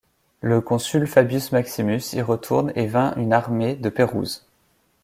Le consul Fabius Maximus y retourne et vainc une armée de Pérouse.